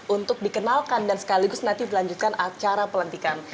untuk dikenalkan dan sekaligus nanti dilanjutkan acara pelantikan